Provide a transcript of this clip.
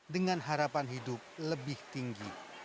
dengan harapan hidup lebih tinggi